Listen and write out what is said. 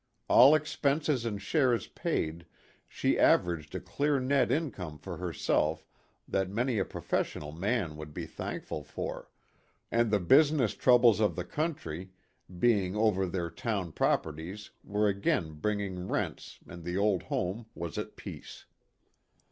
All expenses and shares paid, she averaged a clear net income for herself that many a professional man would be thankful for, and the business troubles of the country being over their town properties were again bringing rents and the old home was at peace.